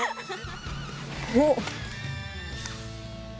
おっ。